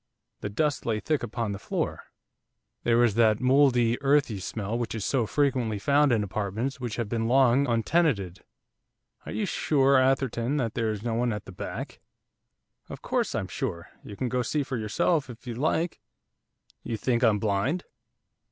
The dust lay thick upon the floor, there was that mouldy, earthy smell which is so frequently found in apartments which have been long untenanted. 'Are you sure, Atherton, that there is no one at the back?' 'Of course I'm sure, you can go and see for yourself if you like; do you think I'm blind?